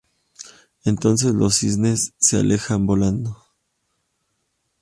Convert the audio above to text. Entonces los cisnes se alejan volando.